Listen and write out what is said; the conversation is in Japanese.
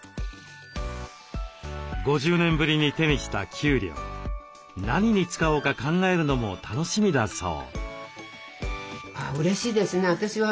５０年ぶりに手にした給料何に使おうか考えるのも楽しみだそう。